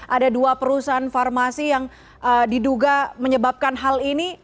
ada dua perusahaan farmasi yang diduga menyebabkan hal ini